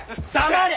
黙れ！